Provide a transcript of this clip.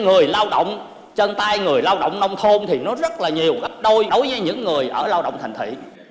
người lao động chân tay người lao động nông thôn thì nó rất là nhiều gấp đôi đối với những người ở lao động thành thị